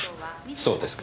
そうですか。